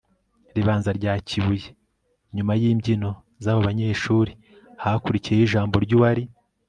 ribanza rya kibuye. nyuma y'imbyino z'abo banyeshuri hakurikiyeho ijambo ry'uwari